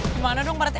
di mana dong pak rete